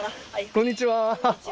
こんにちは。